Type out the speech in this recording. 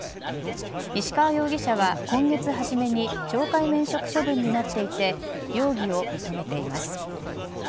石川容疑者は今月初めに懲戒免職処分になっていて容疑を認めています。